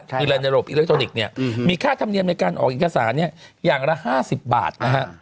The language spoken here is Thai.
ใช่ครับมีค่าธรรมเนียมในการออกเอกสารเนี้ยอย่างละห้าสิบบาทนะฮะ